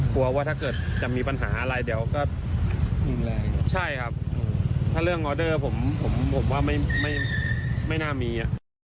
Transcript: กลัวว่าถ้าเกิดจะมีปัญหาอะไรเดี๋ยวก็รุนแรงใช่ครับถ้าเรื่องออเดอร์ผมผมว่าไม่ไม่น่ามีอ่ะ